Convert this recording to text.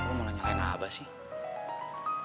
lu mau nyalain abah sih